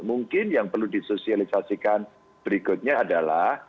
mungkin yang perlu disosialisasikan berikutnya adalah